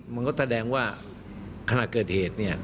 มันก็แสดงว่าขณะเกิดเหตุ